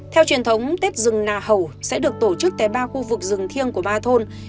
theo truyền thống tết rừng nà hầu sẽ được tổ chức tại ba khu vực rừng thiêng của ba thôn